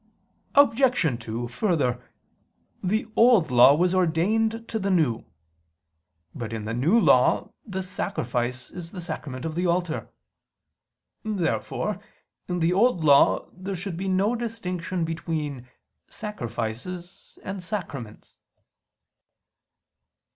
Obj. 2: Further, the Old Law was ordained to the New. But in the New Law the sacrifice is the Sacrament of the Altar. Therefore in the Old Law there should be no distinction between "sacrifices" and "sacraments."